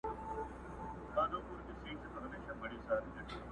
لا یې تازه دي د ښاخونو سیوري!